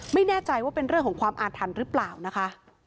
ไม่แน่ใจว่าเป็นเรื่องของความอาถรรพ์หรือเปล่านะคะ